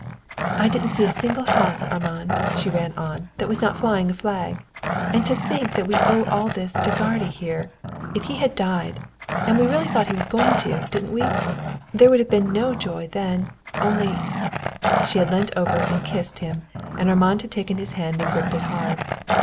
"I didn't see a single house, Armand," she ran on, "that was not flying a flag. And to think that we owe all this to guardy here. If he had died, and we really thought he was going to, didn't we? there would have been no joy, then, only " She had leant over and kissed him and Armand had taken his hand and gripped it hard.